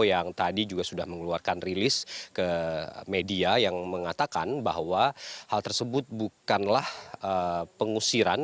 yang tadi juga sudah mengeluarkan rilis ke media yang mengatakan bahwa hal tersebut bukanlah pengusiran